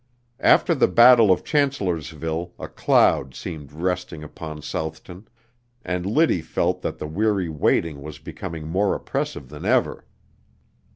After the battle of Chancellorsville a cloud seemed resting upon Southton, and Liddy felt that the weary waiting was becoming more oppressive than ever.